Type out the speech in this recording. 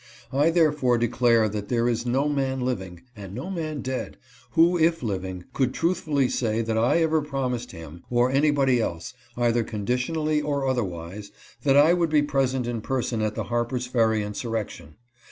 I therefore declare that there is no man living, and no man dead, who, if living, could truthfully say that I ever promised him, or anybody else, either conditionally, or otherwise, that I would be present in person at the Harper's Ferry insurrection.